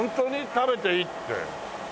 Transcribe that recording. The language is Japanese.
食べていいって。